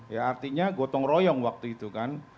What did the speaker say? ya artinya gotong royong waktu itu kan